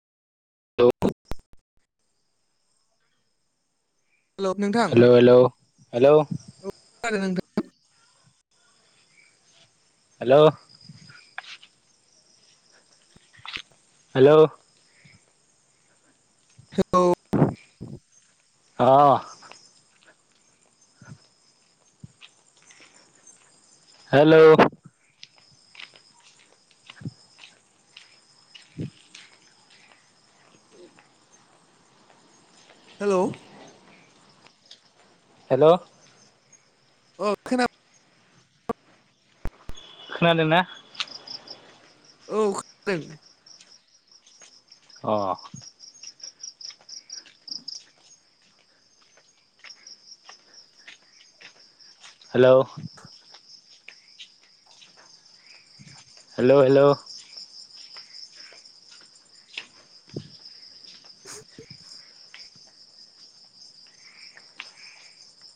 हेल' hello नोंथां हेल' हेल' हेल' औ खोनादों नोंथां हेल' हेल' हेलौ अ हेल' [inaudible] हेल' हेल' अ खोना खोनादोंना? औ खोनादों। अ हेल' हेल' हेल' [inaudible]